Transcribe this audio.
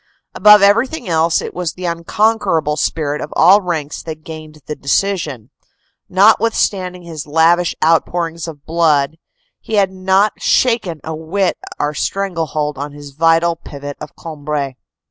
Above everything else it was the unconquer able spirit of all ranks that gained the decision. Notwith standing his lavish outpourings of blood, he had not shaken a whit our strangle hold on his vital pivot of Cambrai.